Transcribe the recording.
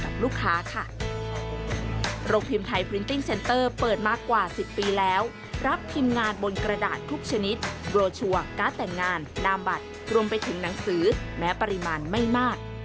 รวมไปถึงหนังสือบึกแม้ปริมาณไม่มาก